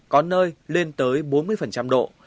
có nơi lên tới bốn mươi độ